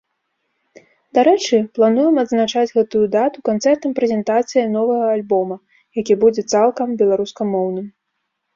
Дарэчы, плануем адзначаць гэтую дату канцэртам-прэзентацыяй новага альбома, які будзе цалкам беларускамоўным.